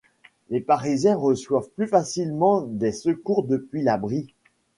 Les Parisiens reçoivent plus facilement des secours depuis la Brie.